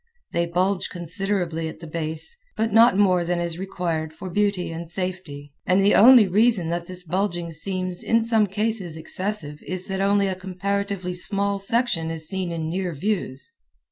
They bulge considerably at the base, but not more than is required for beauty and safety and the only reason that this bulging seems in some cases excessive is that only a comparatively small section is seen in near views.